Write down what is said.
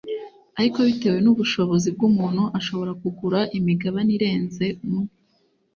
ariko bitewe n’ubushobozi bw’umuntu ashobora kugura imigabane irenze umwe